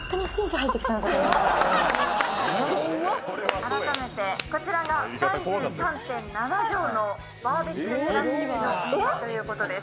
改めてこちらが３３．７畳のバーベキューテラスつきのお庭ということです。